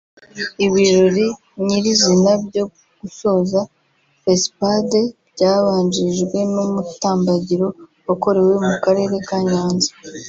Ibirori nyirizina byo gusoza Fespad byabanjirijwe n’umutambagiro wakorewe mu karere ka Nyanza